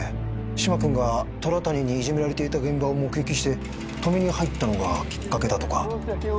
嶋君が虎谷にいじめられていた現場を目撃して止めに入ったのがきっかけだとか。